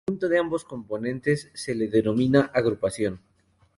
Al conjunto de ambos componentes se le denomina agrupación.